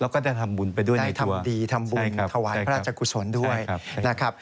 แล้วก็ได้ทำบุญไปด้วยได้ทำดีทำบุญถวายพระราชกุศลด้วยนะครับ